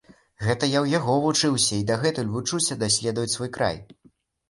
Гэта ў яго я вучыўся і дагэтуль вучуся даследаваць свой край.